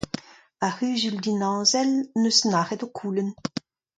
Ar c'huzul dinazel en deus nac'het ho koulenn.